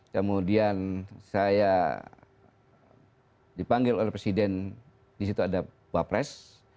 kemudian saya dipanggil oleh presiden disitu ada bapak pres